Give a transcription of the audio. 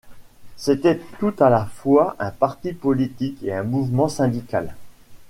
C’était tout à la fois un parti politique et un mouvement syndical.